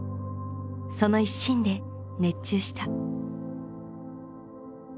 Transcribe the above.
その一心で熱中した。